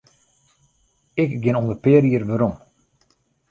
Ik gean om de pear jier werom.